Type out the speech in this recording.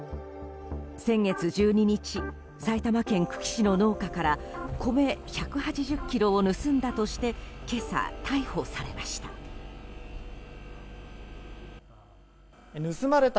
先月１２日埼玉県久喜市の農家から米１８０ｋｇを盗んだとして今朝、逮捕されました。